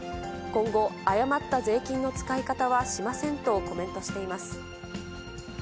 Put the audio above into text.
今後、誤った税金の使い方はしませんとコメントしています。